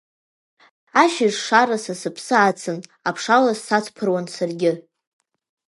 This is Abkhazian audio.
Ашьыжь шара са сыԥсы ацын, аԥшалас сацԥыруан саргьы.